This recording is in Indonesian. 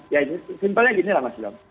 ya simpelnya ginilah mas